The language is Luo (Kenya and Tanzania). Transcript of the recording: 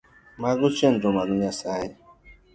Mago chenro mag Nyasaye